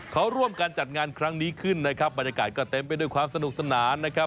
เขาร่วมกันจัดงานครั้งนี้ขึ้นนะครับบรรยากาศก็เต็มไปด้วยความสนุกสนานนะครับ